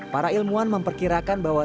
para ilmuwan memperkirakan bahwa